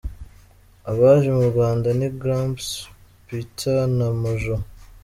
Abaje mu Rwanda ni Gramps, Peetah na Mojo.